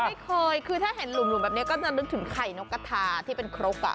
ไม่เคยคือถ้าเห็นหลุมแบบนี้ก็จะนึกถึงไข่นกกระทาที่เป็นครก